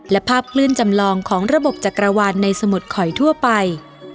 และภาพคลื่นจำลองของระบบจักรวาลในสมุดข่อยทั่วไป